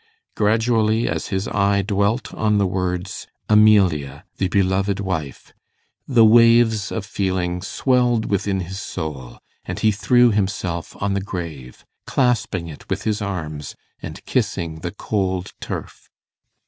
Gradually, as his eye dwelt on the words, 'Amelia, the beloved wife,' the waves of feeling swelled within his soul, and he threw himself on the grave, clasping it with his arms, and kissing the cold turf.